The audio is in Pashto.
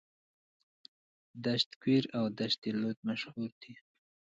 دشت کویر او دشت لوت مشهورې دي.